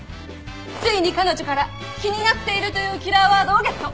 ついに彼女から「気になっている」というキラーワードをゲット。